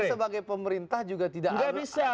abang sebagai pemerintah juga tidak usah